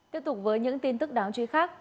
tiếp tục với những tin tức đáng truy khắc